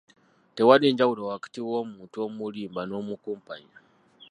Tewali njawulo wakati w'omuntu omulimba n'omukumpanya.